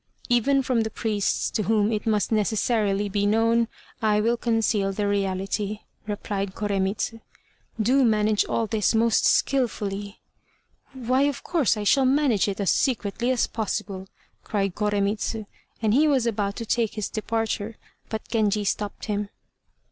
"Even from the priests to whom it must necessarily be known, I will conceal the reality," replied Koremitz. "Do manage all this most skilfully!" "Why, of course I shall manage it as secretly as possible," cried Koremitz; and he was about to take his departure, but Genji stopped him.